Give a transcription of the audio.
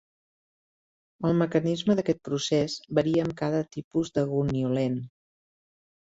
El mecanisme d'aquest procés varia amb cada tipus de goniolent.